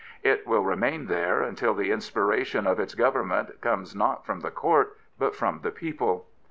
It will remain there until the inspiration of its government comes not from the Court, but from the people.